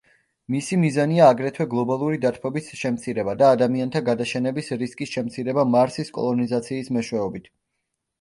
მისი მიზანია აგრეთვე გლობალური დათბობის შემცირება და ადამიანთა გადაშენების რისკის შემცირება მარსის კოლონიზაციის მეშვეობით.